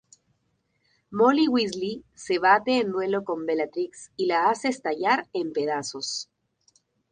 Molly Weasley se bate en duelo con Bellatrix y la hace estallar en pedazos.